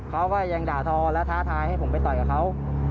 เขาก็ยังด่าทอและท้าทายให้ผมไปต่อยกับเขา